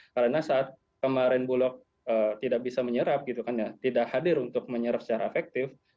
karena saat kemarin bulog tidak bisa menyerap gitu kan ya tidak hadir untuk menyerap secara efektif